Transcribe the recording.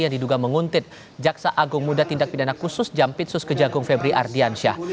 yang diduga menguntit jaksa agung muda tindak pidana khusus jampitsus kejagung febri ardiansyah